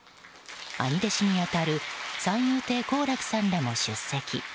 兄弟子に当たる三遊亭好楽さんらも出席。